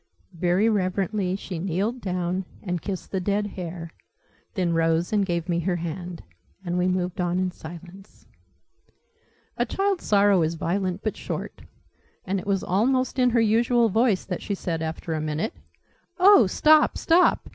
Very reverently she kneeled down, and kissed the dead hare; then rose and gave me her hand, and we moved on in silence. A child's sorrow is violent but short; and it was almost in her usual voice that she said after a minute "Oh stop stop!